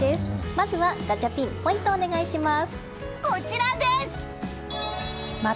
まずはガチャピンポイントをお願いします。